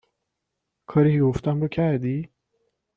کاری که گفتم رو کردی؟